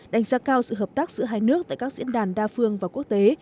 đánh giá cao sự hợp tác giữa hai nước tại các diễn đàn đa phương và quốc tế